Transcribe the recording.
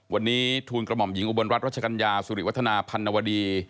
วันนี้ทูลกระหม่อมหญิงอุบลรัฐรัชกัญญาสุริวัฒนาพันนวดี